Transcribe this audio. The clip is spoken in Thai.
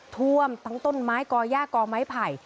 ท่วมทั้งต้นไม้ก่อย่ากอไม้ไผ่